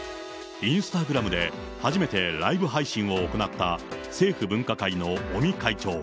インスタグラムで初めてライブ配信を行った政府分科会の尾身会長。